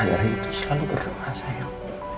kaya rai itu selalu berdoa sayang